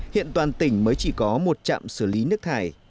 hiện toàn tỉnh mới chỉ có một trạm xử lý nước thải